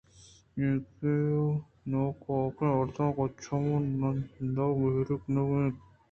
ایوکءَ نوک آؤکیں مردماں گوں چم رندگیری کنگ ءَاِت اَنت